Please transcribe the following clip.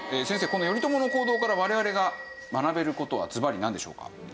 この頼朝の行動から我々が学べる事はずばりなんでしょうか？